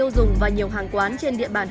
đây bao nhiêu tiền một cân